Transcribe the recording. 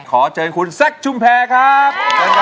ขอเชิญคุณแซคชุมแพรครับ